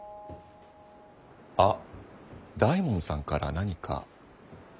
あっ大門さんから何か？